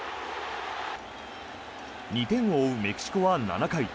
２点を追うメキシコは７回。